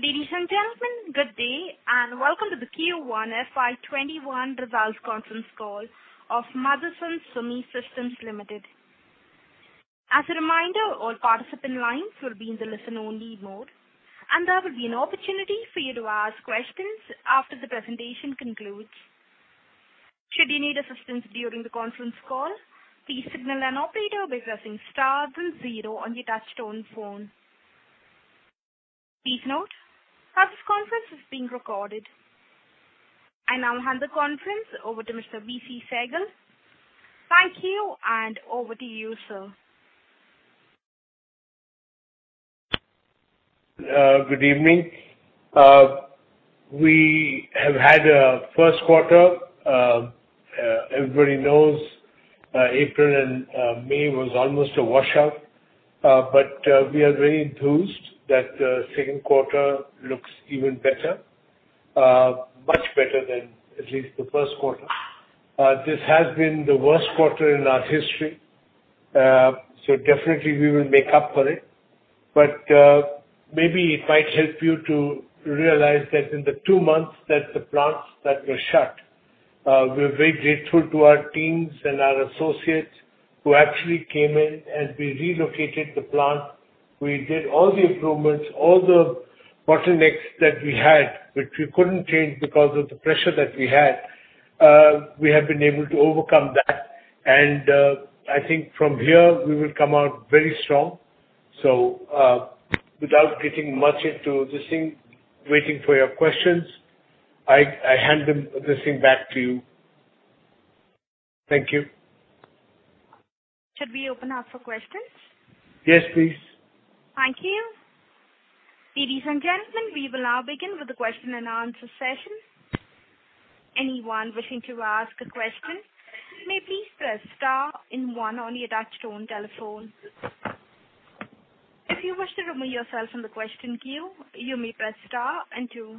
Ladies and gentlemen, good day, and welcome to the Q1 FY21 results conference call of Motherson Sumi Systems Limited. As a reminder, all participant lines will be in the listen-only mode, and there will be an opportunity for you to ask questions after the presentation concludes. Should you need assistance during the conference call, please signal an operator by pressing stars and zero on your touch-tone phone. Please note that this conference is being recorded. I now hand the conference over to Mr. VC Sehgal. Thank you, and over to you, sir. Good evening. We have had a first quarter. Everybody knows April and May was almost a washout, but we are very enthused that the second quarter looks even better, much better than at least the first quarter. This has been the worst quarter in our history, so definitely we will make up for it. But maybe it might help you to realize that in the two months that the plants were shut, we were very grateful to our teams and our associates who actually came in and we relocated the plant. We did all the improvements, all the bottlenecks that we had, which we couldn't change because of the pressure that we had. We have been able to overcome that, and I think from here we will come out very strong. So without getting much into this thing, waiting for your questions, I hand this thing back to you. Thank you. Should we open up for questions? Yes, please. Thank you. Ladies and gentlemen, we will now begin with the question and answer session. Anyone wishing to ask a question may please press star and one on your touch-tone telephone. If you wish to remove yourself from the question queue, you may press star and two.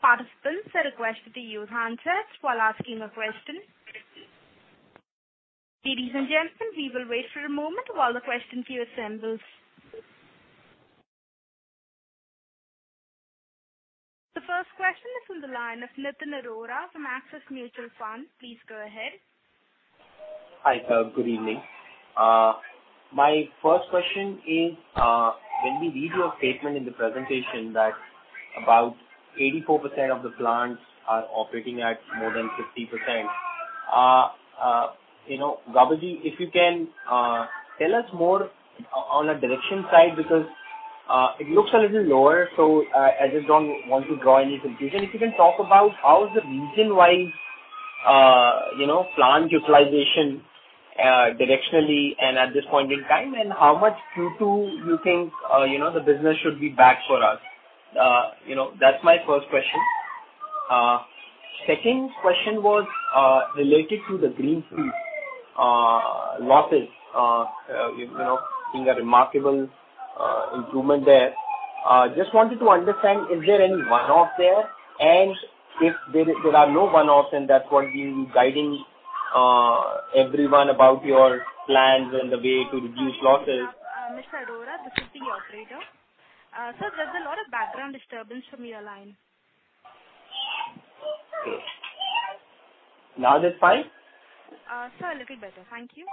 Participants are requested to use handsets while asking a question. Ladies and gentlemen, we will wait for a moment while the question queue assembles. The first question is from the line of Nitin Arora from Axis Mutual Fund. Please go ahead. Hi, sir. Good evening. My first question is, when we read your statement in the presentation that about 84% of the plants are operating at more than 50%, Gauba ji, if you can tell us more on a direction side because it looks a little lower, so I just don't want to draw any conclusion. If you can talk about how is the reason why plant utilization directionally and at this point in time, and how much Q2 you think the business should be back for us. That's my first question. Second question was related to the greenfield losses, being a remarkable improvement there. Just wanted to understand, is there any one-off there, and if there are no one-offs, and that's what we'll be guiding everyone about your plans and the way to reduce losses. Mr. Arora, this is the operator. Sir, there's a lot of background disturbance from your line. Now that's fine? Sir, a little better. Thank you.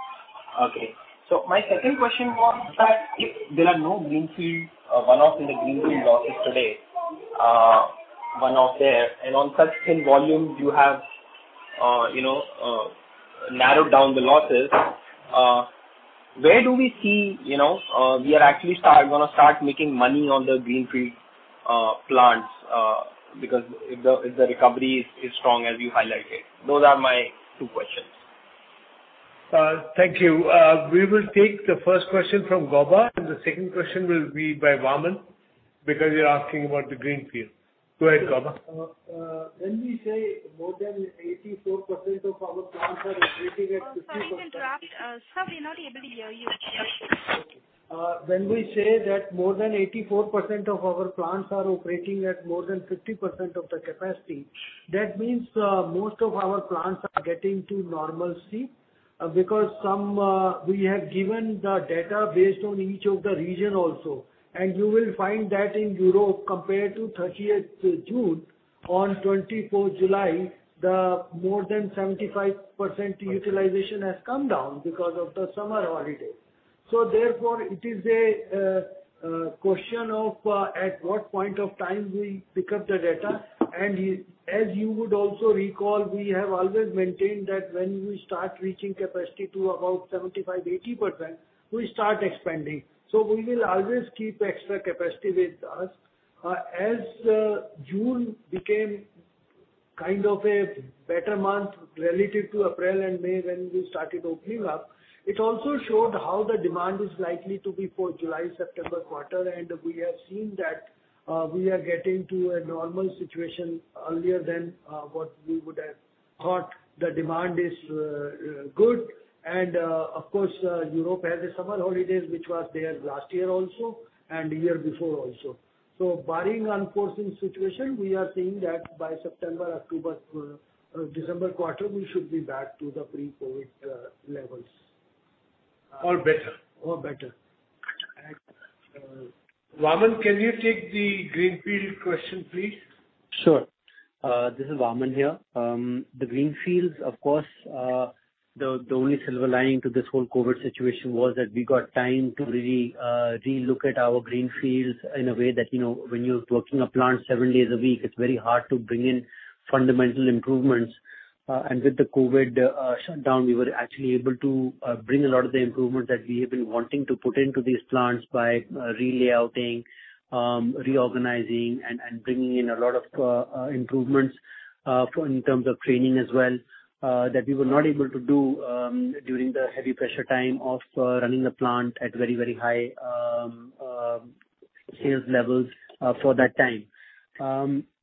Okay. So my second question was that if there are no greenfield one-offs in the greenfield losses today, one-off there, and on such thin volumes, you have narrowed down the losses, where do we see we are actually going to start making money on the greenfield plants because if the recovery is strong, as you highlighted? Those are my two questions. Thank you. We will take the first question from Gauba, and the second question will be by Vaaman because you're asking about the greenfield. Go ahead, Gauba. When we say more than 84% of our plants are operating at 50%. Sorry, we're not able to hear you. When we say that more than 84% of our plants are operating at more than 50% of the capacity, that means most of our plants are getting to normalcy because we have given the data based on each of the region also. And you will find that in Europe, compared to 30th June, on 24th July, the more than 75% utilization has come down because of the summer holidays. So therefore, it is a question of at what point of time we pick up the data. And as you would also recall, we have always maintained that when we start reaching capacity to about 75-80%, we start expanding. So we will always keep extra capacity with us. As June became kind of a better month relative to April and May when we started opening up, it also showed how the demand is likely to be for July, September quarter, and we have seen that we are getting to a normal situation earlier than what we would have thought. The demand is good. And of course, Europe had the summer holidays, which was there last year also and the year before also. So barring unforeseen situation, we are seeing that by September, October, December quarter, we should be back to the pre-COVID levels. Or better. Or better. Varman, can you take the greenfield question, please? Sure. This is Varman here. The greenfields, of course, the only silver lining to this whole COVID situation was that we got time to really relook at our greenfields in a way that when you're working a plant seven days a week, it's very hard to bring in fundamental improvements, and with the COVID shutdown, we were actually able to bring a lot of the improvements that we have been wanting to put into these plants by relayouting, reorganizing, and bringing in a lot of improvements in terms of training as well that we were not able to do during the heavy pressure time of running the plant at very, very high sales levels for that time.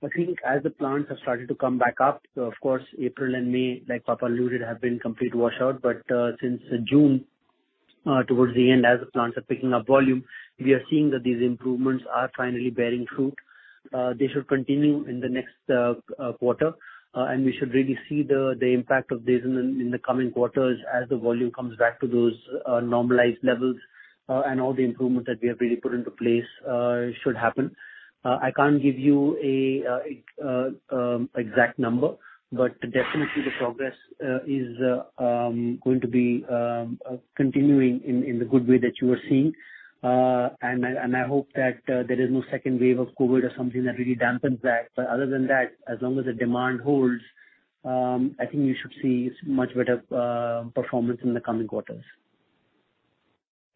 I think as the plants have started to come back up, of course, April and May, like Papa alluded, have been complete washout. But since June, towards the end, as the plants are picking up volume, we are seeing that these improvements are finally bearing fruit. They should continue in the next quarter, and we should really see the impact of this in the coming quarters as the volume comes back to those normalized levels, and all the improvements that we have really put into place should happen. I can't give you an exact number, but definitely the progress is going to be continuing in the good way that you were seeing. And I hope that there is no second wave of COVID or something that really dampens that. But other than that, as long as the demand holds, I think you should see much better performance in the coming quarters.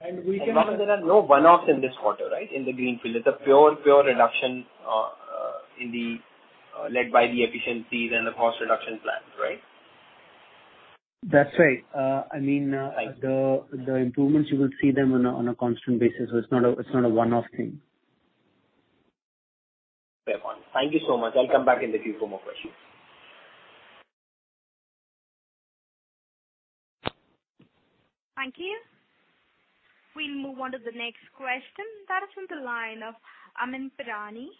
We can. Varman, there are no one-offs in this quarter, right, in the greenfield. It's a pure, pure reduction led by the efficiencies and the cost reduction plan, right? That's right. I mean, the improvements, you will see them on a constant basis. So it's not a one-off thing. Very fine. Thank you so much. I'll come back in the queue for more questions. Thank you. We'll move on to the next question. That is from the line of Amyn Pirani.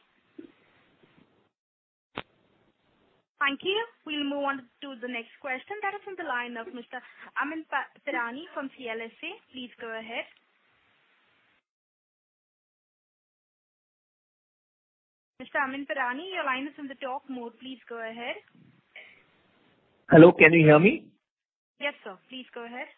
Thank you. We'll move on to the next question. That is from the line of Mr. Amyn Pirani from CLSA. Please go ahead. Mr. Amyn Pirani, your line is in the talk mode. Please go ahead. Hello. Can you hear me? Yes, sir. Please go ahead.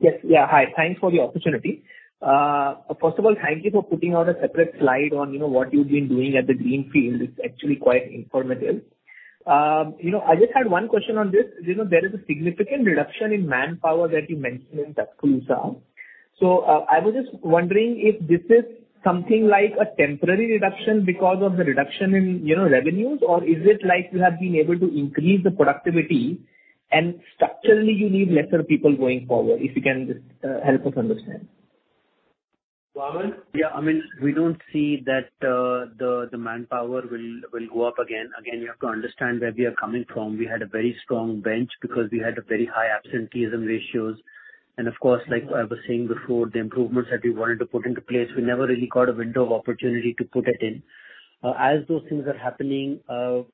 Yes. Yeah. Hi. Thanks for the opportunity. First of all, thank you for putting out a separate slide on what you've been doing at the greenfield. It's actually quite informative. I just had one question on this. There is a significant reduction in manpower that you mentioned in Tuscaloosa. So I was just wondering if this is something like a temporary reduction because of the reduction in revenues, or is it like you have been able to increase the productivity and structurally you need lesser people going forward, if you can just help us understand? Varman? Yeah. I mean, we don't see that the manpower will go up again. Again, you have to understand where we are coming from. We had a very strong bench because we had very high absenteeism ratios. And of course, like I was saying before, the improvements that we wanted to put into place, we never really got a window of opportunity to put it in. As those things are happening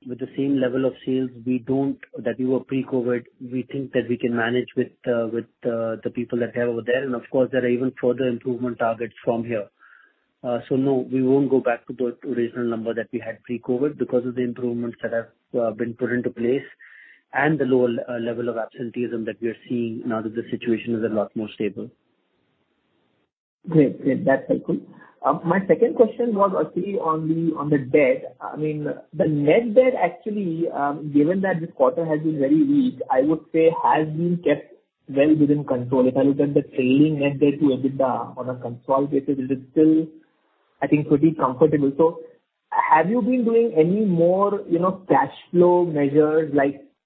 with the same level of sales that we were pre-COVID, we think that we can manage with the people that we have over there. And of course, there are even further improvement targets from here. So no, we won't go back to the original number that we had pre-COVID because of the improvements that have been put into place and the lower level of absenteeism that we are seeing now that the situation is a lot more stable. Great. Great. That's helpful. My second question was actually on the debt. I mean, the net debt, actually, given that this quarter has been very weak. I would say has been kept well within control. If I look at the trailing net debt to EBITDA on a consolidated basis, it is still, I think, pretty comfortable. So have you been doing any more cash flow measures?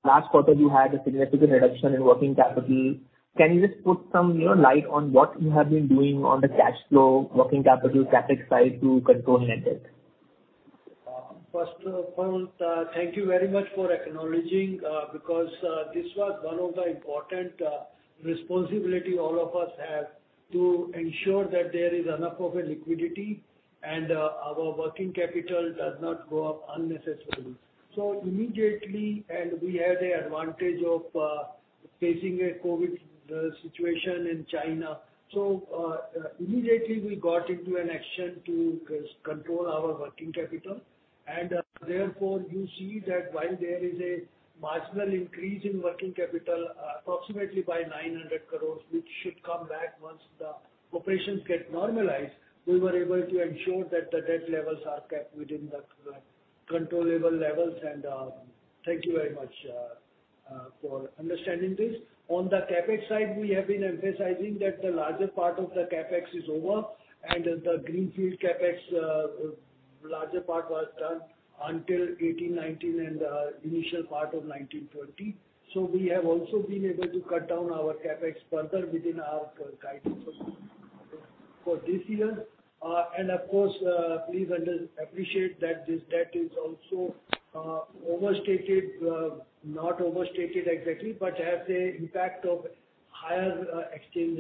Last quarter, you had a significant reduction in working capital. Can you just put some light on what you have been doing on the cash flow, working capital, CapEx side to control net debt? First of all, thank you very much for acknowledging because this was one of the important responsibilities all of us have to ensure that there is enough of a liquidity and our working capital does not go up unnecessarily. So immediately, and we had the advantage of facing a COVID-19 situation in China. So immediately, we got into an action to control our working capital. And therefore, you see that while there is a marginal increase in working capital, approximately by 900 crores, which should come back once the operations get normalized, we were able to ensure that the debt levels are kept within the controllable levels. And thank you very much for understanding this. On the CapEx side, we have been emphasizing that the larger part of the CapEx is over, and the greenfield CapEx, larger part was done until 2018-19 and the initial part of 2019-20. So we have also been able to cut down our CapEx further within our guidance for this year. And of course, please appreciate that this debt is also overstated, not overstated exactly, but has the impact of higher exchange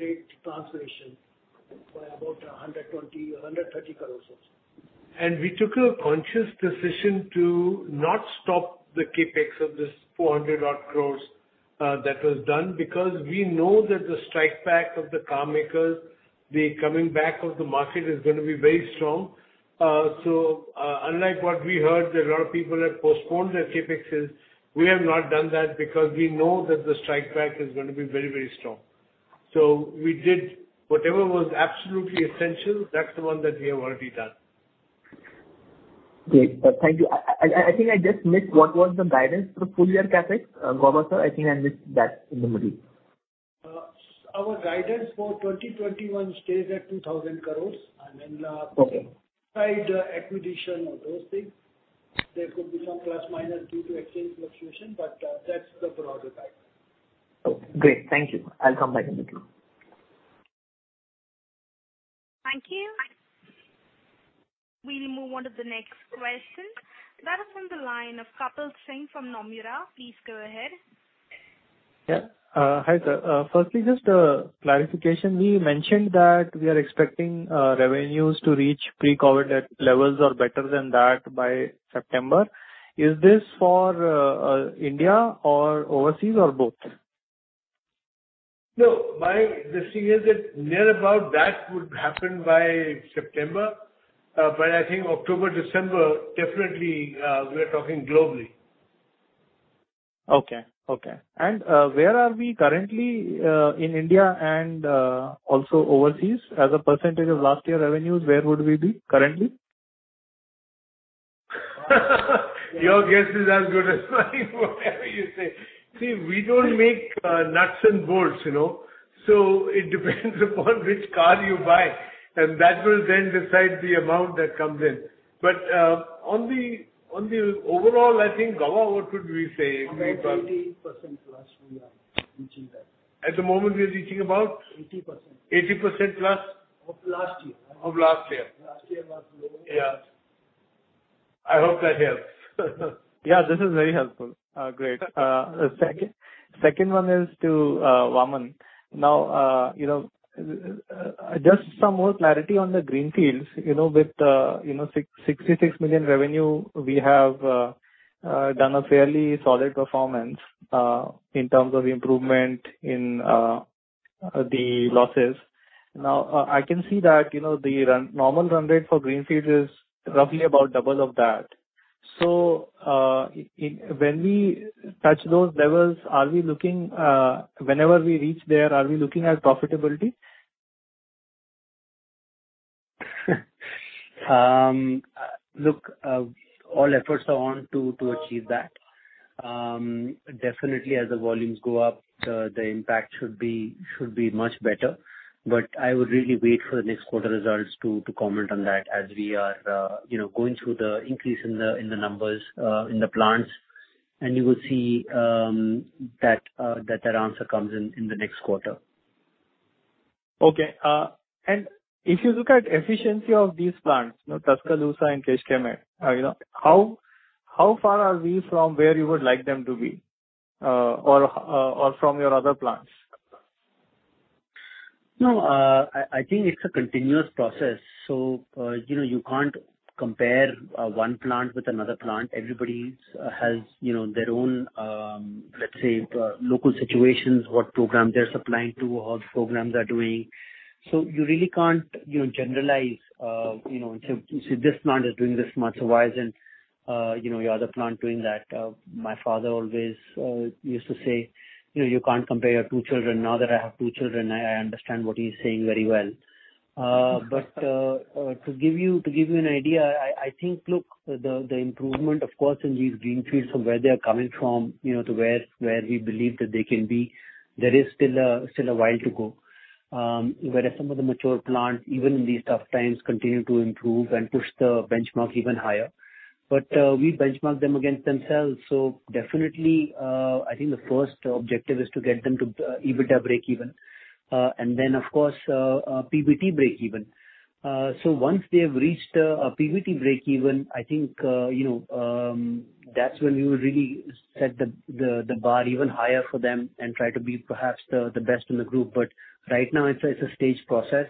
rate translation by about 130 crores or so. And we took a conscious decision to not stop the CapEx of this 400 crores that was done because we know that the strike back of the car makers, the coming back of the market is going to be very strong. So unlike what we heard, a lot of people have postponed their CapExes, we have not done that because we know that the strike back is going to be very, very strong. So we did whatever was absolutely essential. That's the one that we have already done. Great. Thank you. I think I just missed what was the guidance for the full year CapEx, Goba, sir? I think I missed that in the middle. Our guidance for 2021 stays at 2,000 crores, and then side acquisition of those things, there could be some plus minus due to exchange fluctuation, but that's the broader guidance. Okay. Great. Thank you. I'll come back in the queue. Thank you. We'll move on to the next question. That is from the line of Kapil Singh from Nomura. Please go ahead. Yeah. Hi, sir. Firstly, just a clarification. We mentioned that we are expecting revenues to reach pre-COVID levels or better than that by September. Is this for India or overseas or both? No. The thing is that near about that would happen by September, but I think October, December, definitely we are talking globally. Okay. Okay. And where are we currently in India and also overseas? As a percentage of last year revenues, where would we be currently? Your guess is as good as mine, whatever you say. See, we don't make nuts and bolts. So it depends upon which car you buy, and that will then decide the amount that comes in. But on the overall, I think, Goba, what would we say? 80% plus we are reaching that. At the moment, we are reaching about? 80%. 80% plus? Of last year. Of last year. Last year was low. Yeah. I hope that helps. Yeah. This is very helpful. Great. Second one is to Varman. Now, just some more clarity on the greenfields. With 66 million revenue, we have done a fairly solid performance in terms of improvement in the losses. Now, I can see that the normal run rate for greenfields is roughly about double of that. So when we touch those levels, are we looking whenever we reach there, are we looking at profitability? Look, all efforts are on to achieve that. Definitely, as the volumes go up, the impact should be much better. But I would really wait for the next quarter results to comment on that as we are going through the increase in the numbers in the plants. And you will see that that answer comes in the next quarter. Okay. And if you look at efficiency of these plants, Tuscaloosa and Kecskemét, how far are we from where you would like them to be or from your other plants? No. I think it's a continuous process. So you can't compare one plant with another plant. Everybody has their own, let's say, local situations, what program they're supplying to, how the programs are doing. So you really can't generalize. You say, "This plant is doing this much. So why isn't your other plant doing that?" My father always used to say, "You can't compare your two children." Now that I have two children, I understand what he's saying very well. But to give you an idea, I think, look, the improvement, of course, in these greenfields from where they are coming from to where we believe that they can be, there is still a while to go. Whereas some of the mature plants, even in these tough times, continue to improve and push the benchmark even higher. But we benchmark them against themselves. Definitely, I think the first objective is to get them to EBITDA breakeven. Of course, PBT breakeven. Once they have reached a PBT breakeven, I think that's when we will really set the bar even higher for them and try to be perhaps the best in the group. Right now, it's a staged process.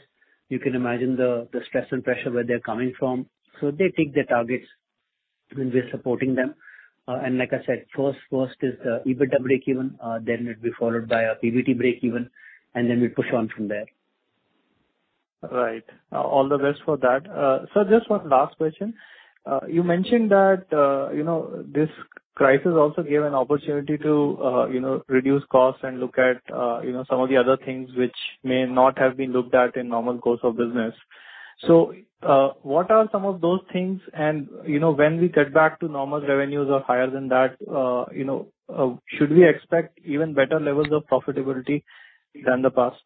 You can imagine the stress and pressure where they're coming from. They take their targets, and we're supporting them. Like I said, first is the EBITDA breakeven. It will be followed by a PBT breakeven, and then we push on from there. All right. All the best for that. Sir, just one last question. You mentioned that this crisis also gave an opportunity to reduce costs and look at some of the other things which may not have been looked at in normal course of business. So what are some of those things? And when we get back to normal revenues or higher than that, should we expect even better levels of profitability than the past?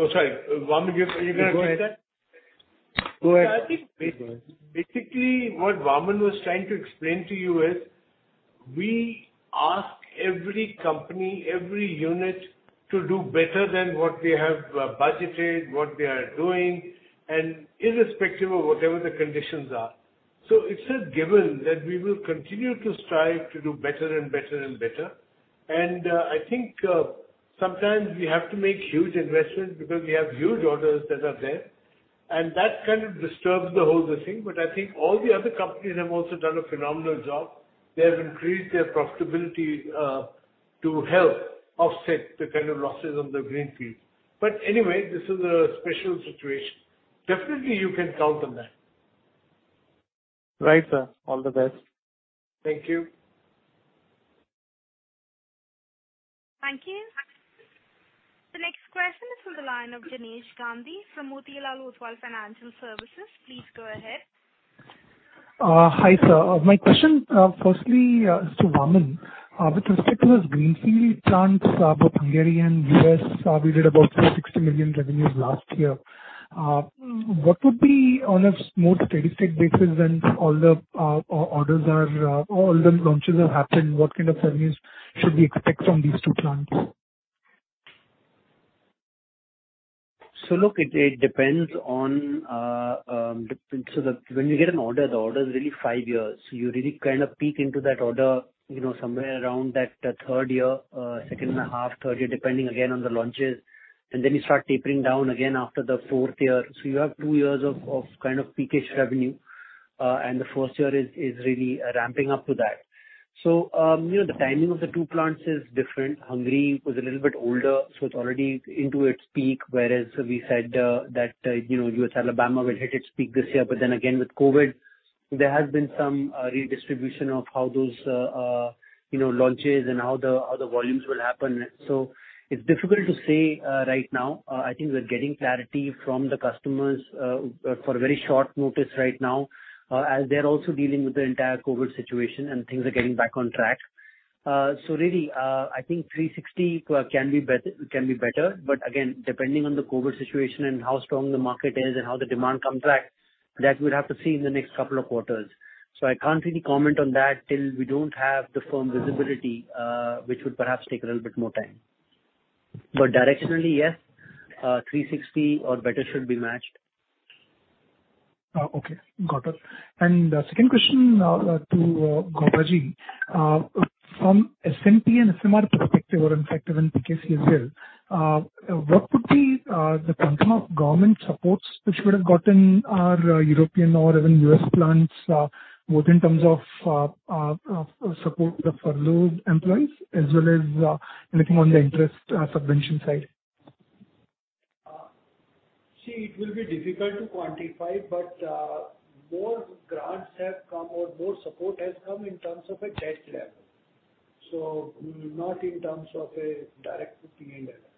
Oh, sorry. You're going to take that? Go ahead. Basically, what Varman was trying to explain to you is we ask every company, every unit to do better than what they have budgeted, what they are doing, and irrespective of whatever the conditions are. So it's a given that we will continue to strive to do better and better and better. And I think sometimes we have to make huge investments because we have huge orders that are there. And that kind of disturbs the whole thing. But I think all the other companies have also done a phenomenal job. They have increased their profitability to help offset the kind of losses on the greenfield. But anyway, this is a special situation. Definitely, you can count on that. Right, sir. All the best. Thank you. Thank you. The next question is from the line of Jinesh Gandhi from Motilal Oswal Financial Services. Please go ahead. Hi, sir. My question, firstly, to Varman, with respect to those greenfield plants, both Hungarian and U.S., we did about 460 million revenues last year. What would be on a more steady-state basis when all the orders are-all the launches have happened? What kind of revenues should we expect from these two plants? So look, it depends on. So when you get an order, the order is really five years. So you really kind of peak into that order somewhere around that third year, second and a half, third year, depending again on the launches. And then you start tapering down again after the fourth year. So you have two years of kind of peak-ish revenue. And the first year is really ramping up to that. So the timing of the two plants is different. Hungary was a little bit older, so it's already into its peak, whereas we said that U.S. Alabama will hit its peak this year. But then again, with COVID, there has been some redistribution of how those launches and how the volumes will happen. So it's difficult to say right now. I think we're getting clarity from the customers for very short notice right now, as they're also dealing with the entire COVID situation and things are getting back on track. So really, I think 360 can be better. But again, depending on the COVID situation and how strong the market is and how the demand comes back, that we'll have to see in the next couple of quarters. So I can't really comment on that till we don't have the firm visibility, which would perhaps take a little bit more time. But directionally, yes, 360 or better should be matched. Okay. Got it. And the second question to Goba, from SMP and SMR perspective, or in fact, even PKC as well, what would be the kind of government supports which would have gotten our European or even U.S. plants, both in terms of support for laid-off employees as well as anything on the interest subvention side? See, it will be difficult to quantify, but more grants have come or more support has come in terms of a debt level. So not in terms of a direct PA level.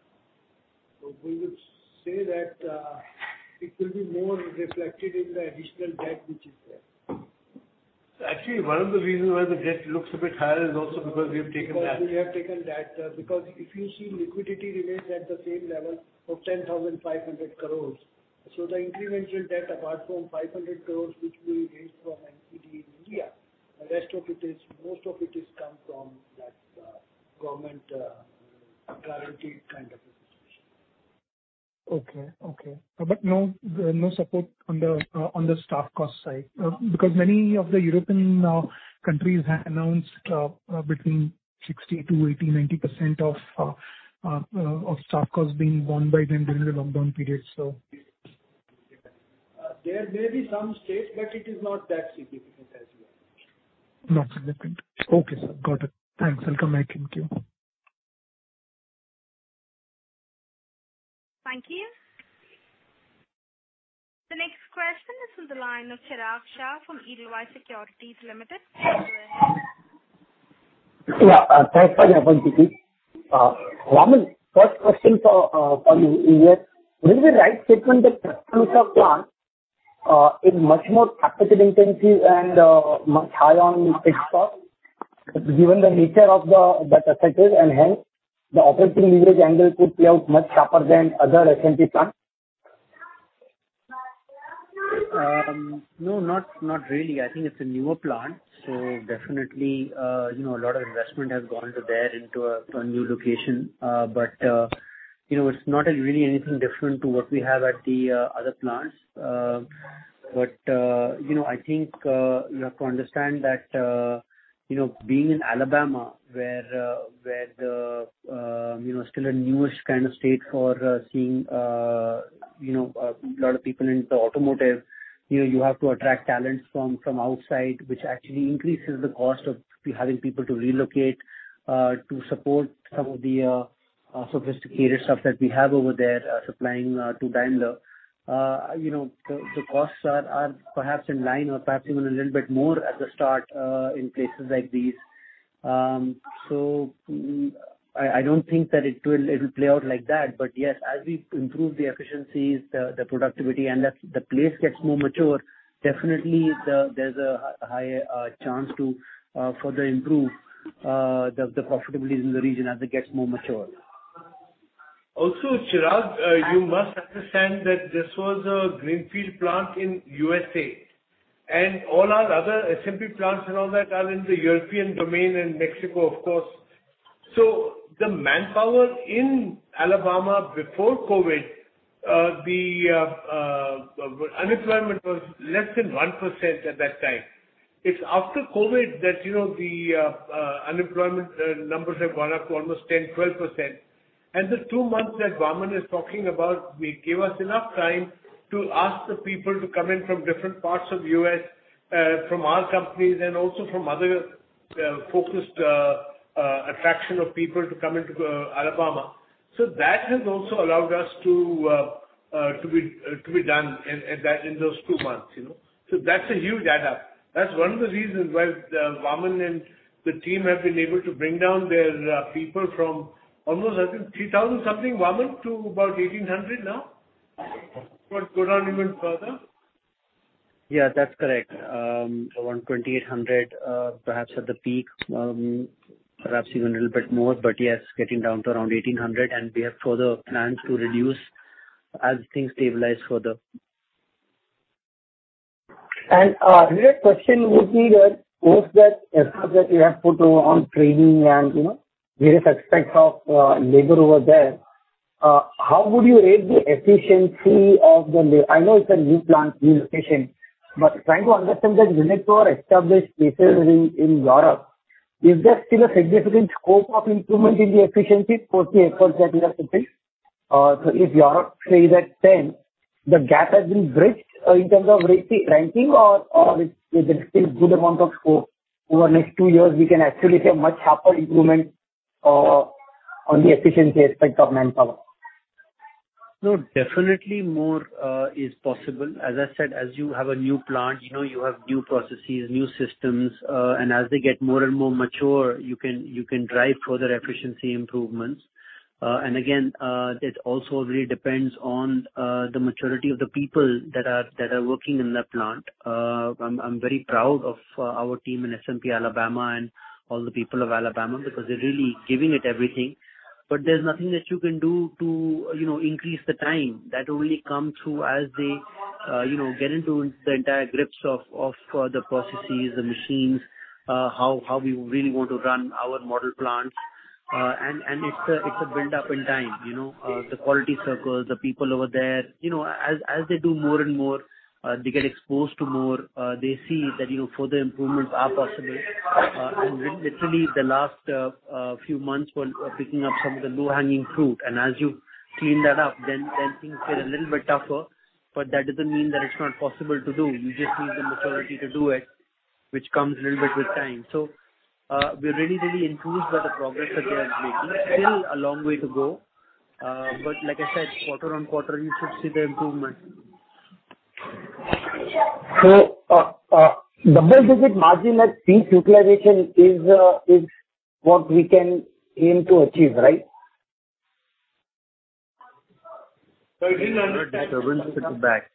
So we would say that it will be more reflected in the additional debt which is there. Actually, one of the reasons why the debt looks a bit higher is also because we have taken that. We have taken that because if you see, liquidity remains at the same level of 10,500 crores. So the incremental debt, apart from 500 crores, which we raised from NCD in India, the rest of it is most of it has come from that government-guaranteed kind of a situation. Okay. But no support on the staff cost side because many of the European countries have announced between 60%-80%, 90% of staff costs being borne by them during the lockdown period, so. There may be some states, but it is not that significant as well. Not significant. Okay, sir. Got it. Thanks. I'll come back in queue. Thank you. The next question is from the line of Chirag Shah from Edelweiss Securities Limited. Yeah. Thanks for the opportunity. Varman, first question for you is, will we right statement that Tuscaloosa plant is much more capital-intensive and much higher on fixed costs given the nature of that asset? And hence, the operating leverage angle could play out much sharper than other SMP plants? No, not really. I think it's a newer plant, so definitely, a lot of investment has gone there into a new location, but it's not really anything different to what we have at the other plants. But I think you have to understand that being in Alabama, where it's still a newest kind of state for seeing a lot of people in the automotive, you have to attract talents from outside, which actually increases the cost of having people to relocate to support some of the sophisticated stuff that we have over there supplying to Daimler. The costs are perhaps in line or perhaps even a little bit more at the start in places like these, so I don't think that it will play out like that. But yes, as we improve the efficiencies, the productivity, and the place gets more mature, definitely there's a higher chance to further improve the profitability in the region as it gets more mature. Also, Chirag, you must understand that this was a greenfield plant in USA. And all our other SMP plants and all that are in the European domain and Mexico, of course. So the manpower in Alabama before COVID, the unemployment was less than 1% at that time. It's after COVID that the unemployment numbers have gone up to almost 10%-12%. And the two months that Varman is talking about, we gave us enough time to ask the people to come in from different parts of the U.S., from our companies, and also from other focused attraction of people to come into Alabama. So that has also allowed us to be done in those two months. So that's a huge add-up. That's one of the reasons why Varman and the team have been able to bring down their people from almost, I think, 3,000-something Varman to about 1,800 now. But go down even further. Yeah, that's correct. Around 2,800, perhaps at the peak, perhaps even a little bit more. But yes, getting down to around 1,800. And we have further plans to reduce as things stabilize further. And a question would be that most of that effort that you have put on training and various aspects of labor over there, how would you rate the efficiency of the, I know it's a new plant, new location, but trying to understand that related to our established cases in Europe, is there still a significant scope of improvement in the efficiency for the efforts that you have to take? So if Europe says that, then the gap has been bridged in terms of ranking, or is there still a good amount of scope over the next two years we can actually see a much sharper improvement on the efficiency aspect of manpower? No, definitely more is possible. As I said, as you have a new plant, you have new processes, new systems. And as they get more and more mature, you can drive further efficiency improvements. And again, it also really depends on the maturity of the people that are working in that plant. I'm very proud of our team in SMP Alabama and all the people of Alabama because they're really giving it everything. But there's nothing that you can do to increase the time. That only comes through as they get into the entire grips of the processes, the machines, how we really want to run our model plants. And it's a build-up in time. The quality circles, the people over there, as they do more and more, they get exposed to more. They see that further improvements are possible. Literally, the last few months were picking up some of the low-hanging fruit. As you clean that up, then things get a little bit tougher. That doesn't mean that it's not possible to do. You just need the maturity to do it, which comes a little bit with time. We're really, really enthused by the progress that they are making. Still a long way to go. Like I said, quarter on quarter, you should see the improvement. So double-digit margin at peak utilization is what we can aim to achieve, right? There's a lot of disturbance in the back.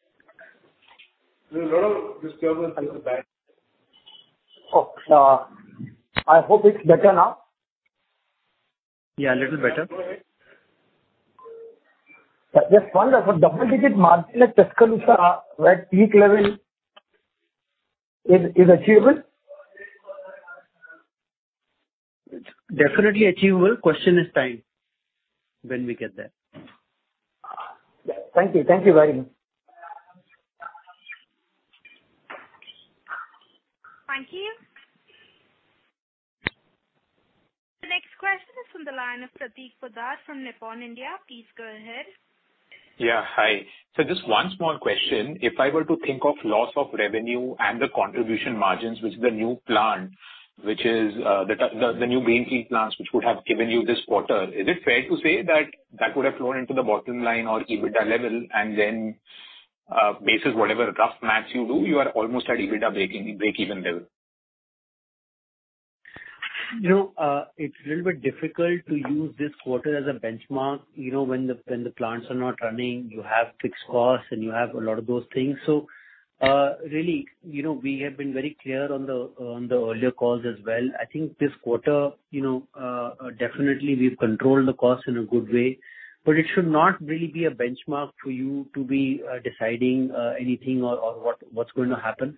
I hope it's better now. Yeah, a little better. Just wonderful. Double-digit margin at Tuscaloosa, where peak level is achievable? Definitely achievable. Question is time when we get there. Thank you. Thank you very much. Thank you. The next question is from the line of Prateek Poddar from Nippon India. Please go ahead. Yeah. Hi. So just one small question. If I were to think of loss of revenue and the contribution margins, which is the new plant, which is the new greenfield plants which would have given you this quarter, is it fair to say that that would have flown into the bottom line or EBITDA level and then basis whatever rough math you do, you are almost at EBITDA break-even level? It's a little bit difficult to use this quarter as a benchmark when the plants are not running. You have fixed costs, and you have a lot of those things. So really, we have been very clear on the earlier calls as well. I think this quarter, definitely, we've controlled the cost in a good way. But it should not really be a benchmark for you to be deciding anything or what's going to happen.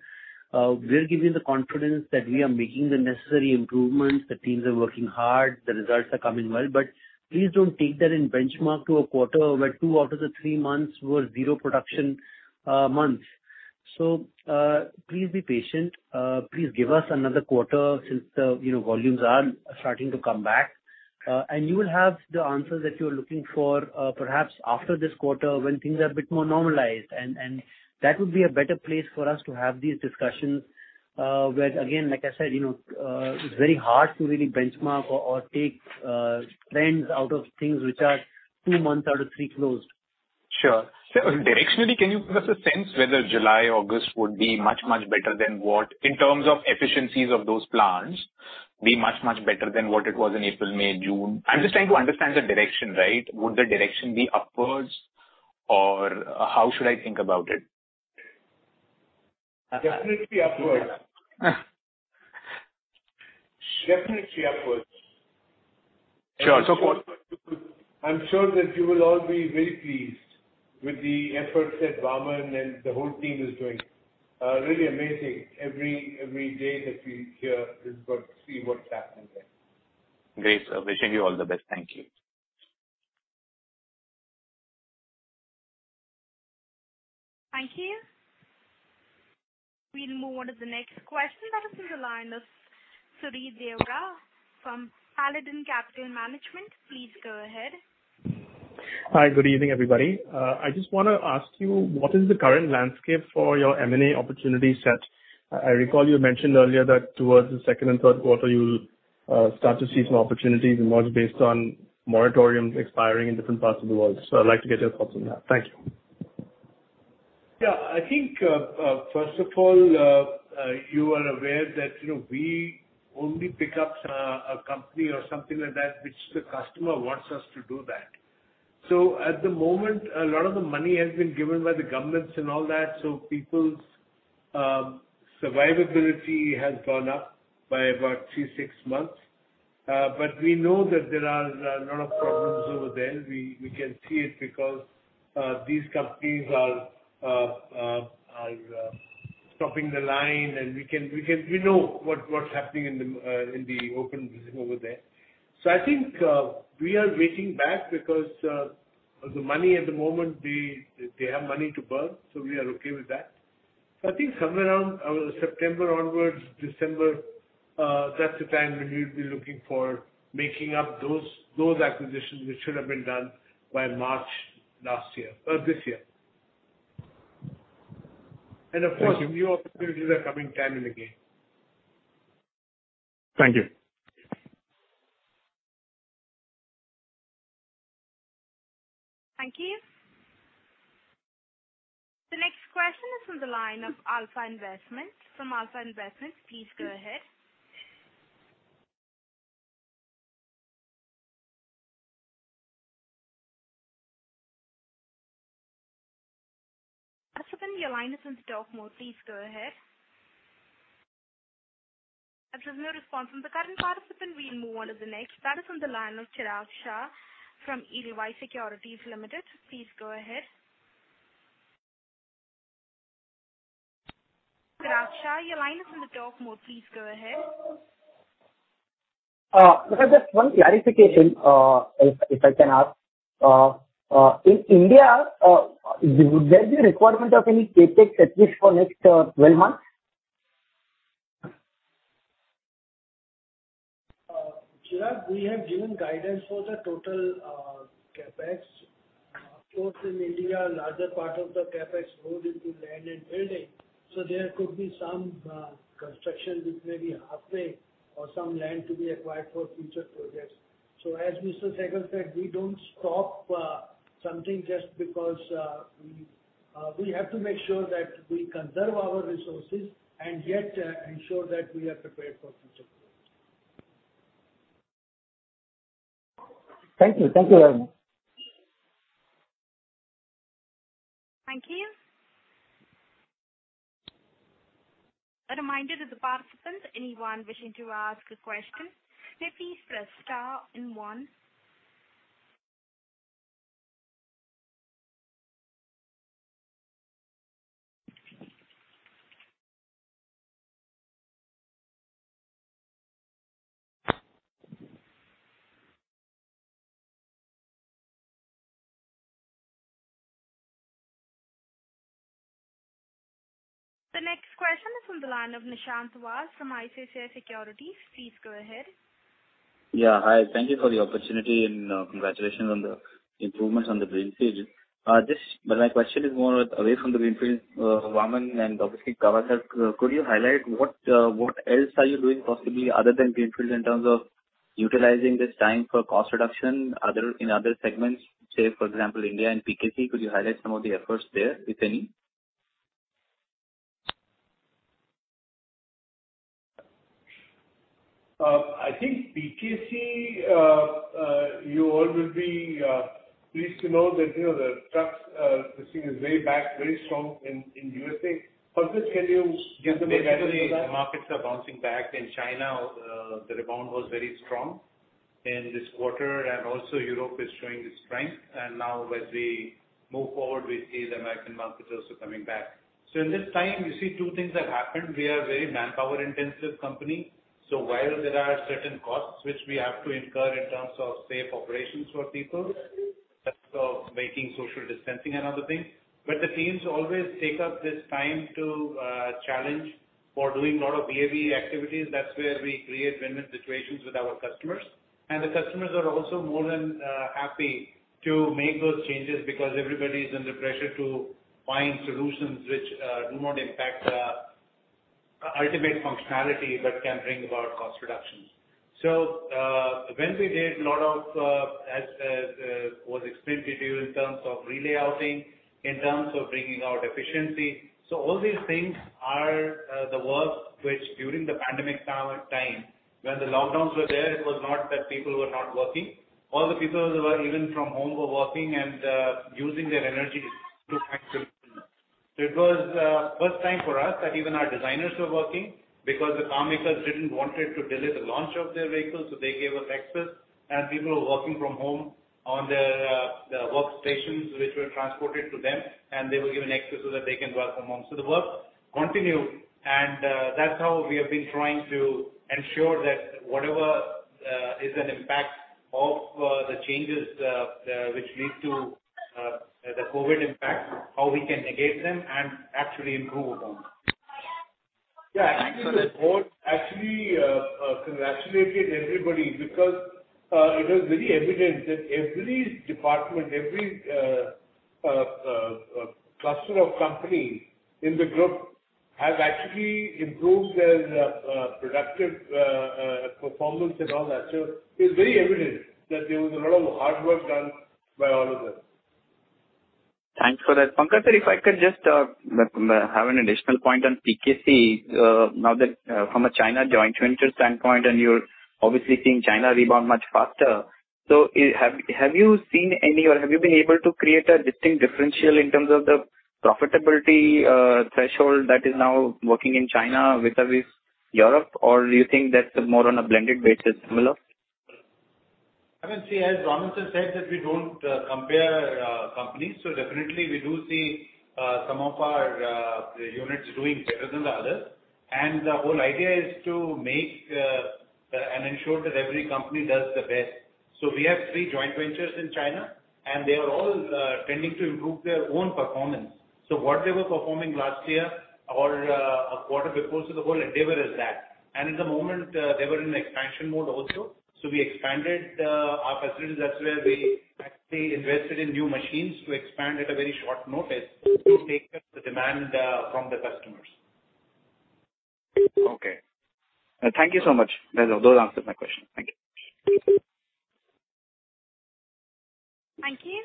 We're giving the confidence that we are making the necessary improvements, the teams are working hard, the results are coming well. But please don't take that as a benchmark to a quarter where two out of the three months were zero production months. So please be patient. Please give us another quarter since the volumes are starting to come back. You will have the answers that you're looking for perhaps after this quarter when things are a bit more normalized. That would be a better place for us to have these discussions where, again, like I said, it's very hard to really benchmark or take trends out of things which are two months out of three closed. Sure. So directionally, can you give us a sense whether July, August would be much, much better than what in terms of efficiencies of those plants be much, much better than what it was in April, May, June? I'm just trying to understand the direction, right? Would the direction be upwards, or how should I think about it? Definitely upwards. Definitely upwards. Sure. So for. I'm sure that you will all be very pleased with the efforts that Varman and the whole team is doing. Really amazing. Every day that we hear about to see what's happening there. Great. So I wish you all the best. Thank you. Thank you. We'll move on to the next question that is from the line of Sahil Doshi from Paladin Capital Management. Please go ahead. Hi. Good evening, everybody. I just want to ask you, what is the current landscape for your M&A opportunity set? I recall you mentioned earlier that towards the second and third quarter, you'll start to see some opportunities in M&A based on moratoriums expiring in different parts of the world. So I'd like to get your thoughts on that. Thank you. Yeah. I think, first of all, you are aware that we only pick up a company or something like that which the customer wants us to do that. So at the moment, a lot of the money has been given by the governments and all that. So people's survivability has gone up by about three, six months. But we know that there are a lot of problems over there. We can see it because these companies are stopping the line. And we know what's happening in the open business over there. So I think we are waiting back because the money at the moment, they have money to burn. So we are okay with that. So I think somewhere around September onwards, December, that's the time when we'll be looking for making up those acquisitions which should have been done by March last year or this year. Of course, new opportunities are coming time and again. Thank you. Thank you. The next question is from the line of Alpha Investments. From Alpha Investments, please go ahead. Participant, your line is on the talk mode. Please go ahead. There's no response from the current participant. We'll move on to the next. That is from the line of Chirag Shah from Edelweiss Securities Limited. Please go ahead. Chirag Shah, your line is on the talk mode. Please go ahead. Just one clarification, if I can ask. In India, would there be a requirement of any CapEx at least for next 12 months? Chirag, we have given guidance for the total CapEx. Of course, in India, a larger part of the CapEx goes into land and building. So there could be some construction with maybe halfway or some land to be acquired for future projects. So as Mr. Sehgal said, we don't stop something just because we have to make sure that we conserve our resources and yet ensure that we are prepared for future projects. Thank you. Thank you very much. Thank you. A reminder to the participants. Anyone wishing to ask a question, may please press star one. The next question is from the line of Nishant Vass from ICICI Securities. Please go ahead. Yeah. Hi. Thank you for the opportunity and congratulations on the improvements on the greenfield. Just, my question is more away from the greenfield, Varman and obviously Gauba sir. Could you highlight what else are you doing possibly other than greenfield in terms of utilizing this time for cost reduction in other segments? Say, for example, India and PKC. Could you highlight some of the efforts there, if any? I think PKC, you all will be pleased to know that the trucks are pushing very, very strong in USA. How much can you give them guidance on that? Markets are bouncing back. In China, the rebound was very strong in this quarter. And also, Europe is showing its strength. And now, as we move forward, we see the American market also coming back. So in this time, you see two things have happened. We are a very manpower-intensive company. So while there are certain costs which we have to incur in terms of safe operations for people, that's making social distancing another thing. But the teams always take up this time to challenge for doing a lot of VA/VE activities. That's where we create win-win situations with our customers. And the customers are also more than happy to make those changes because everybody is under pressure to find solutions which do not impact ultimate functionality but can bring about cost reductions. So when we did a lot of, as was explained to you, in terms of relayouting, in terms of bringing out efficiency. So all these things are the work which during the pandemic time, when the lockdowns were there, it was not that people were not working. All the people, even from home, were working and using their energy to find solutions. So it was first time for us that even our designers were working because the carmakers didn't want it to delay the launch of their vehicles. So they gave us access. And people were working from home on their workstations which were transported to them. And they were given access so that they can work from home. So the work continued. And that's how we have been trying to ensure that whatever is an impact of the changes which lead to the COVID impact, how we can negate them and actually improve upon. Yeah. So the board actually congratulated everybody because it was very evident that every department, every cluster of companies in the group have actually improved their productive performance and all that. So it's very evident that there was a lot of hard work done by all of them. Thanks for that. Pankaj sir, if I could just have an additional point on PKC, now that from a China joint venture standpoint, and you're obviously seeing China rebound much faster. So have you seen any or have you been able to create a distinct differential in terms of the profitability threshold that is now working in China vis-à-vis Europe? Or do you think that's more on a blended basis, similar? I mean, see, as Motherson said, that we don't compare companies. So definitely, we do see some of our units doing better than the others. And the whole idea is to make and ensure that every company does the best. So we have three joint ventures in China, and they are all tending to improve their own performance. So what they were performing last year or a quarter before, so the whole endeavor is that. And at the moment, they were in expansion mode also. So we expanded our facilities. That's where we actually invested in new machines to expand at a very short notice to take the demand from the customers. Okay. Thank you so much. That does answer my question. Thank you. Thank you.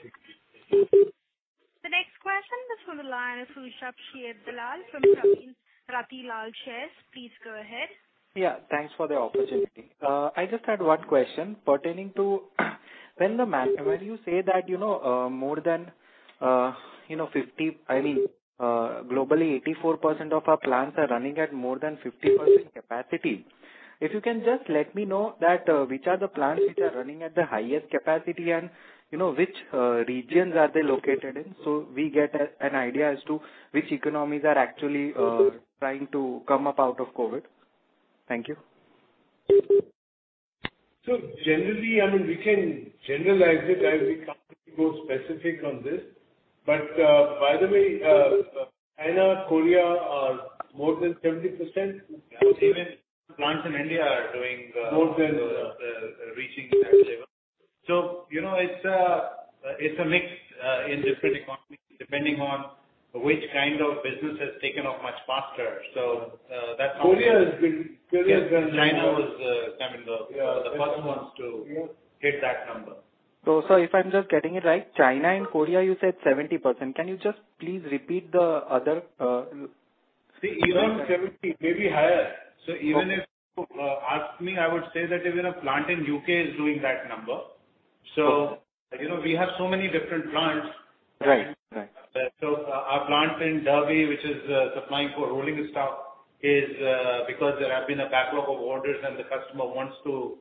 The next question is from the line of Prakash Dalal from Ratilal Shares. Please go ahead. Yeah. Thanks for the opportunity. I just had one question pertaining to when you say that more than 50, I mean, globally, 84% of our plants are running at more than 50% capacity. If you can just let me know which are the plants which are running at the highest capacity and which regions are they located in so we get an idea as to which economies are actually trying to come up out of COVID? Thank you. So generally, I mean, we can generalize it as we go specific on this. But by the way, China, Korea are more than 70%. Plants in India are doing. More than reaching that level. So it's a mix in different economies depending on which kind of business has taken off much faster. So that's how. Korea has been. China was the first ones to hit that number. So, if I'm just getting it right, China and Korea, you said 70%. Can you just please repeat the other? See, even 70, maybe higher. So even if you ask me, I would say that even a plant in U.K. is doing that number. So we have so many different plants. Right. Right. So our plant in Derby, which is supplying for rolling stock, is because there has been a backlog of orders and the customer wants to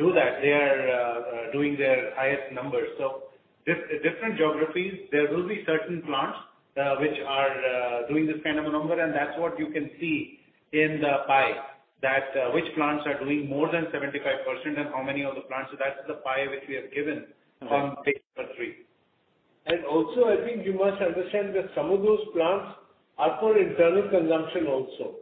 do that. They are doing their highest numbers. So different geographies, there will be certain plants which are doing this kind of a number. And that's what you can see in the pie that which plants are doing more than 75% and how many of the plants. So that's the pie which we have given on page number three. And also, I think you must understand that some of those plants are for internal consumption also.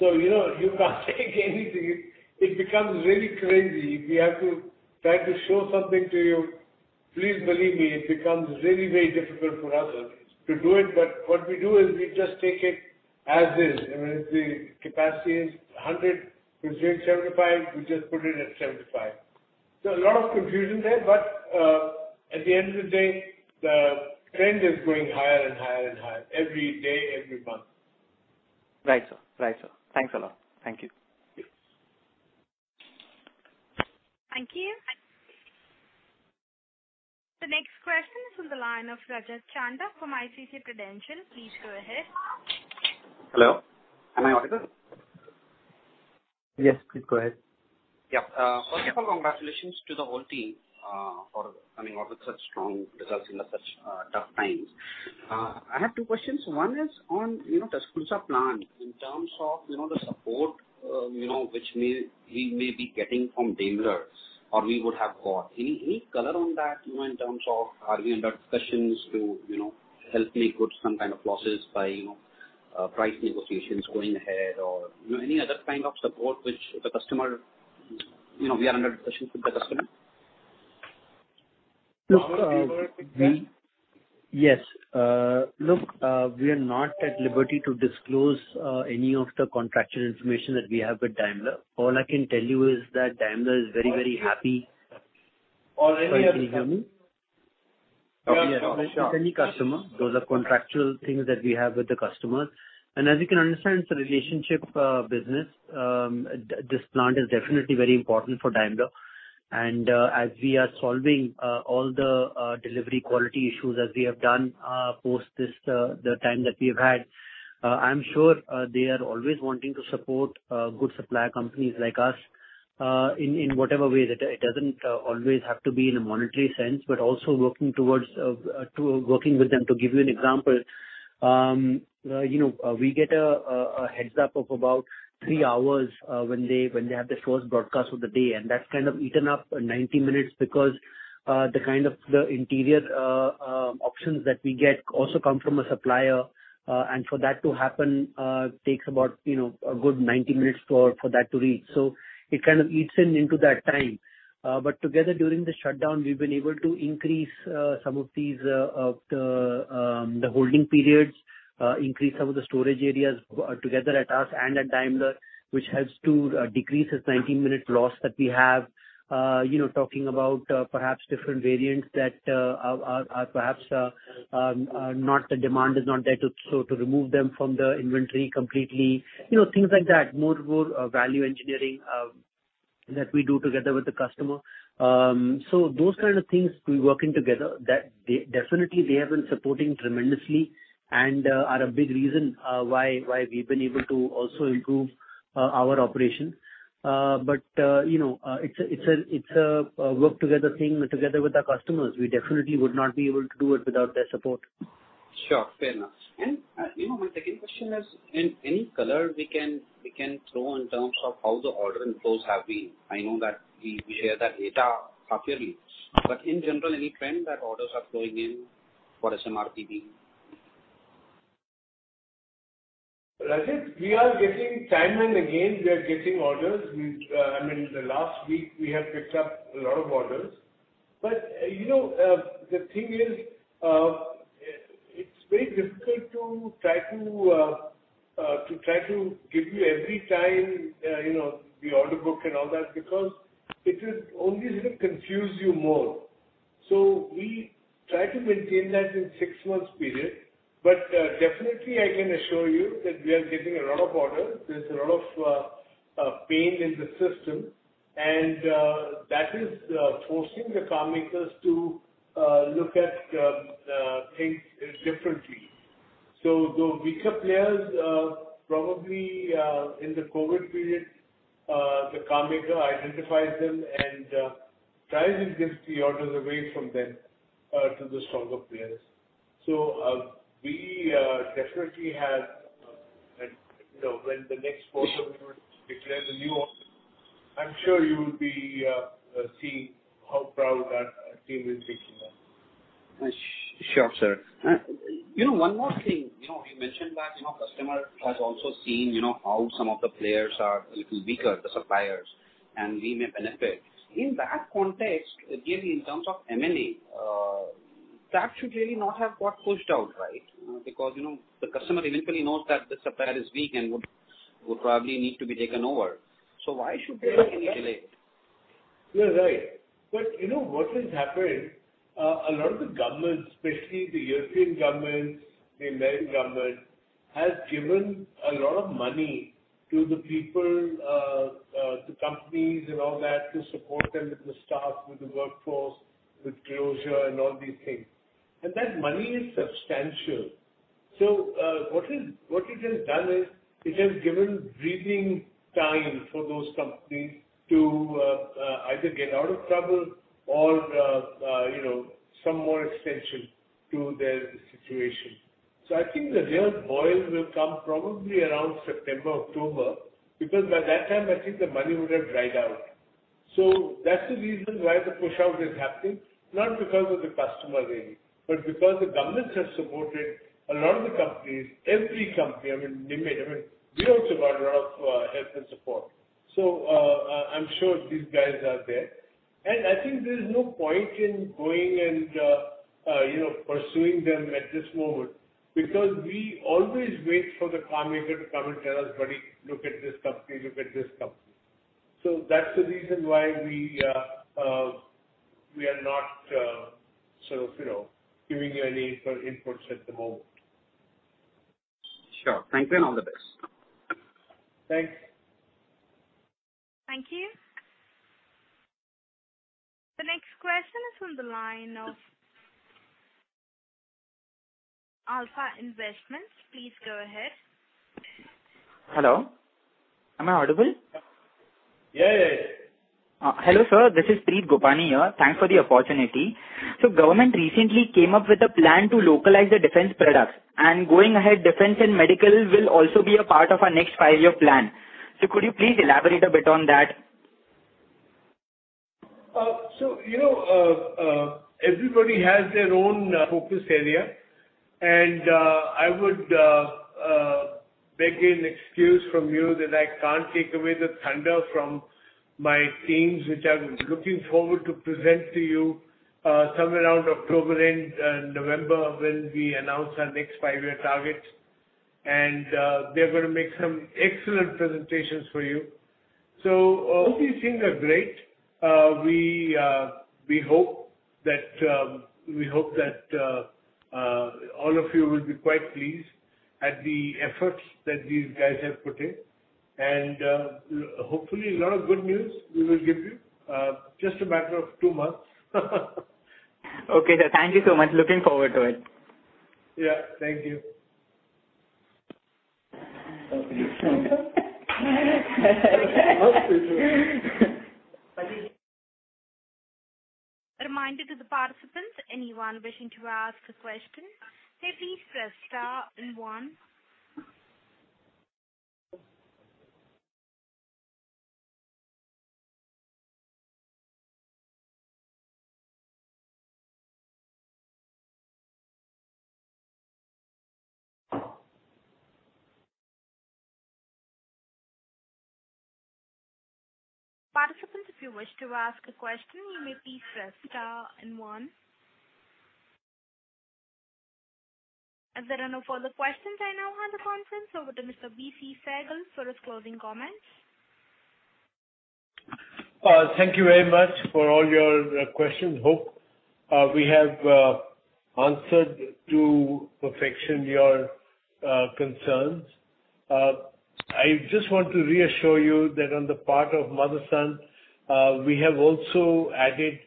So you can't take anything. It becomes really crazy. We have to try to show something to you. Please believe me, it becomes really, really difficult for us to do it. But what we do is we just take it as is. I mean, if the capacity is 100% 75, we just put it at 75. So a lot of confusion there. But at the end of the day, the trend is going higher and higher and higher every day, every month. Right. Right. Thanks a lot. Thank you. Thank you. The next question is from the line of Rajat Chandak from ICICI Prudential. Please go ahead. Hello. Can I auditor? Yes. Please go ahead. Yeah. First of all, congratulations to the whole team for coming out with such strong results in such tough times. I have two questions. One is on the Tuscaloosa plant in terms of the support which we may be getting from Daimler or we would have got. Any color on that in terms of are we under discussions to help make good some kind of clauses by price negotiations going ahead or any other kind of support which the customer we are under discussions with the customer? Yes. Look, we are not at liberty to disclose any of the contractual information that we have with Daimler. All I can tell you is that Daimler is very, very happy. Or any of. Can you hear me? Okay. Sure. Yes. With any customer, those are contractual things that we have with the customers. And as you can understand, it's a relationship business. This plant is definitely very important for Daimler. And as we are solving all the delivery quality issues as we have done post the time that we have had, I'm sure they are always wanting to support good supplier companies like us in whatever way. It doesn't always have to be in a monetary sense, but also working towards working with them. To give you an example, we get a heads-up of about three hours when they have the first broadcast of the day. And that's kind of eaten up 90 minutes because the kind of the interior options that we get also come from a supplier. And for that to happen, it takes about a good 90 minutes for that to reach. So it kind of eats into that time. But together, during the shutdown, we've been able to increase some of the holding periods, increase some of the storage areas together at us and at Daimler, which helps to decrease this 90-minute loss that we have, talking about perhaps different variants that are perhaps not the demand is not there to remove them from the inventory completely, things like that, more value engineering that we do together with the customer. So those kind of things we're working together that definitely they have been supporting tremendously and are a big reason why we've been able to also improve our operation. But it's a work-together thing together with our customers. We definitely would not be able to do it without their support. Sure. Fair enough, and my second question is, any color we can throw in terms of how the order and flows have been? I know that we share that data half-yearly, but in general, any trend that orders are flowing in for SMRPBV? Rajat, we are getting time and again. We are getting orders. I mean, the last week, we have picked up a lot of orders. But the thing is, it's very difficult to try to give you every time the order book and all that because it will only confuse you more. So we try to maintain that in a six-month period. But definitely, I can assure you that we are getting a lot of orders. There's a lot of pain in the system. And that is forcing the carmakers to look at things differently. So the weaker players, probably in the COVID period, the carmaker identifies them and tries to give the orders away from them to the stronger players. So we definitely have, when the next quarter we will declare the new orders, I'm sure you will be seeing how proud our team is taking them. Sure, sir. One more thing. You mentioned that customer has also seen how some of the players are a little weaker, the suppliers, and we may benefit. In that context, really, in terms of M&A, that should really not have got pushed out, right? Because the customer eventually knows that the supplier is weak and would probably need to be taken over. So why should there be any delay? You're right. But what has happened, a lot of the governments, especially the European government, the American government, has given a lot of money to the people, to companies and all that, to support them with the staff, with the workforce, with closure, and all these things. And that money is substantial. So what it has done is it has given breathing time for those companies to either get out of trouble or some more extension to their situation. So I think the real boil will come probably around September, October, because by that time, I think the money would have dried out. So that's the reason why the push-out is happening, not because of the customer really, but because the governments have supported a lot of the companies, every company, I mean in it, I mean, we also got a lot of help and support. So I'm sure these guys are there. And I think there is no point in going and pursuing them at this moment because we always wait for the carmaker to come and tell us, "Buddy, look at this company. Look at this company." So that's the reason why we are not sort of giving you any inputs at the moment. Sure. Thank you and all the best. Thanks. Thank you. The next question is from the line of Alpha Investments. Please go ahead. Hello. Am I audible? Yeah, yeah, yeah. Hello, sir. This is Preet Gopani here. Thanks for the opportunity. So government recently came up with a plan to localize the defense products. And going ahead, defense and medical will also be a part of our next five-year plan. So could you please elaborate a bit on that? So everybody has their own focus area. And I would beg an excuse from you that I can't take away the thunder from my teams, which I'm looking forward to present to you somewhere around October and November when we announce our next five-year targets. And they're going to make some excellent presentations for you. So all these things are great. We hope that all of you will be quite pleased at the efforts that these guys have put in. And hopefully, a lot of good news we will give you. Just a matter of two months. Okay. Thank you so much. Looking forward to it. Yeah. Thank you. Reminder to the participants, anyone wishing to ask a question, please press star and one. Participants, if you wish to ask a question, you may please press star and one. As there are no further questions, I now hand the conference over to Mr. VC Sehgal for his closing comments. Thank you very much for all your questions. Hope we have answered to perfection your concerns. I just want to reassure you that on the part of Motherson, we have also added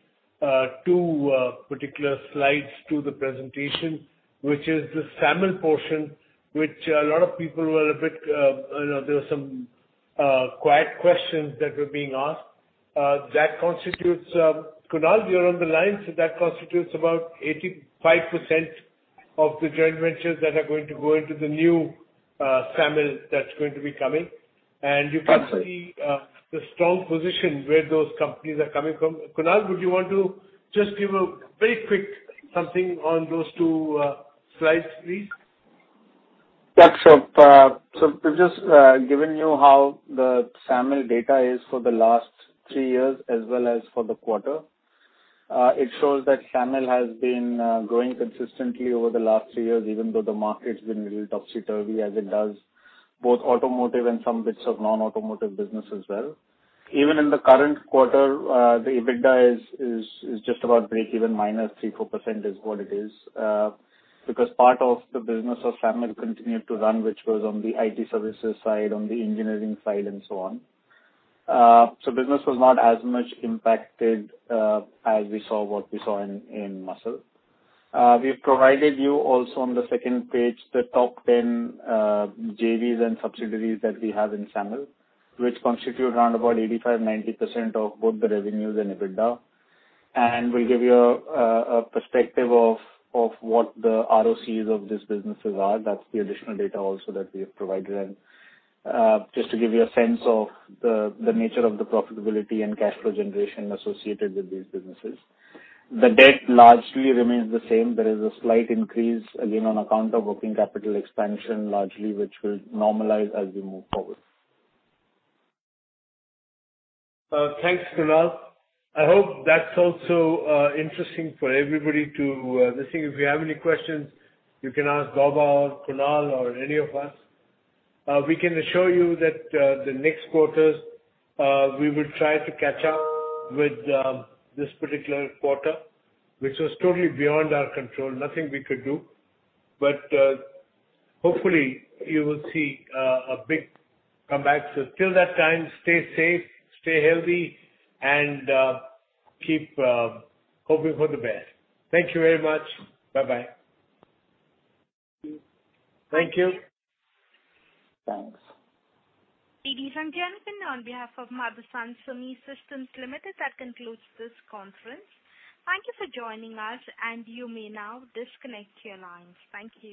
two particular slides to the presentation, which is the SAMIL portion, which a lot of people were a bit there were some quiet questions that were being asked. That constitutes Kunal, you're on the line. So that constitutes about 85% of the joint ventures that are going to go into the new SAMIL that's going to be coming. And you can see the strong position where those companies are coming from. Kunal, would you want to just give a very quick something on those two slides, please? Yeah. So we've just given you how the SAMIL data is for the last three years as well as for the quarter. It shows that SAMIL has been growing consistently over the last three years, even though the market's been a little topsy-turvy as it does, both automotive and some bits of non-automotive business as well. Even in the current quarter, the EBITDA is just about breakeven, minus 3-4% is what it is because part of the business of SAMIL continued to run, which was on the IT services side, on the engineering side, and so on. So business was not as much impacted as we saw what we saw in MSSL. We've provided you also on the second page the top 10 JVs and subsidiaries that we have in SAMIL, which constitute around about 85-90% of both the revenues and EBITDA. And we'll give you a perspective of what the ROCE of these businesses are. That's the additional data also that we have provided just to give you a sense of the nature of the profitability and cash flow generation associated with these businesses. The debt largely remains the same. There is a slight increase again on account of working capital expansion largely, which will normalize as we move forward. Thanks, Kunal. I hope that's also interesting for everybody too. If you have any questions, you can ask Goba, Kunal, or any of us. We can assure you that the next quarter, we will try to catch up with this particular quarter, which was totally beyond our control, nothing we could do. But hopefully, you will see a big comeback. So till that time, stay safe, stay healthy, and keep hoping for the best. Thank you very much. Bye-bye. Thank you. Thanks. Ladies and gentlemen, on behalf of Motherson Sumi Systems Limited, that concludes this conference. Thank you for joining us, and you may now disconnect your lines. Thank you.